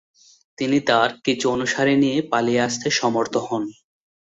তিনি তার কিছু অনুসারী নিয়ে পালিয়ে আসতে সমর্থ হন।